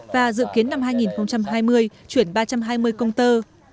và dự kiến năm hai nghìn hai mươi chuyển ba trăm hai mươi công tơ